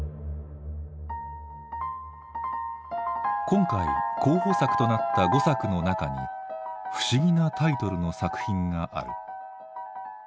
今回候補作となった５作の中に不思議なタイトルの作品がある。